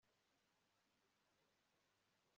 Ibyokurya Bifitiye Umubiri Akamaro